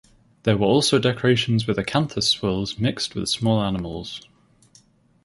There were also decorations with acanthus swirls mixed with small animals.